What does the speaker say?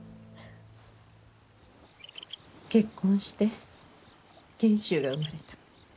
結婚して賢秀が生まれた。